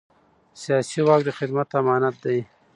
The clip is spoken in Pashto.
سیاسي واک د خدمت امانت دی